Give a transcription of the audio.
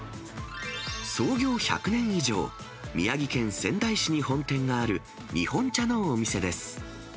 創業１００年以上、宮城県仙台市に本店がある日本茶のお店です。